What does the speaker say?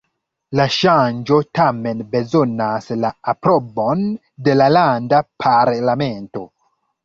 La ŝanĝo tamen bezonas la aprobon de la landa parlamento.